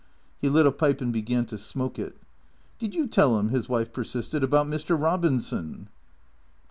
He lit a pipe and began to smoke it. " Did you tell 'im," his wife persisted, " about Mr. Eobinson